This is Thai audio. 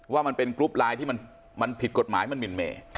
ว่ามันเป็นกรุ๊ปไลน์ที่มันผิดกฎหมายมันหมินเมย์